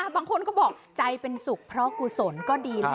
บางคนก็บอกใจเป็นสุขเพราะกุศลก็ดีแล้ว